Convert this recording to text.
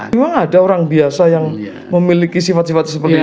memang ada orang biasa yang memiliki sifat sifat seperti itu